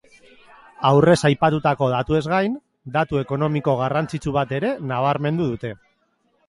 Aurrez aipatutako datuez gain, datu ekonomiko garrantzitu bat ere nabarmendu dute.